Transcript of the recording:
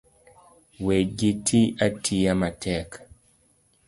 We giti atiyo matek